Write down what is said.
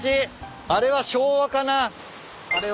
あれは昭和かな。